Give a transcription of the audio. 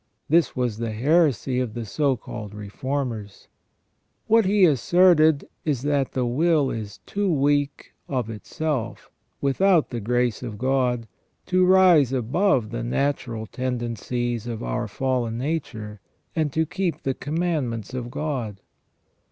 This was the heresy of the so called Re formers. What he asserts is that the will is too weak of itself, 142 SELF AND CONSCIENCE. without the grace of God, to rise above the natural tendencies of our fallen nature, and to keep the commandments of God.